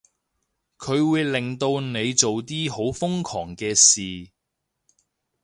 佢會令到你做啲好瘋狂嘅事